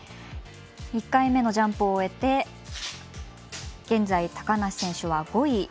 １回目のジャンプを終えて現在、高梨選手は５位。